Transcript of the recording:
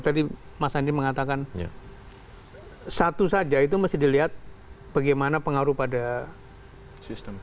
tadi mas andi mengatakan satu saja itu mesti dilihat bagaimana pengaruh pada sistem